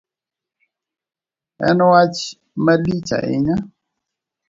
En wach malich ahinya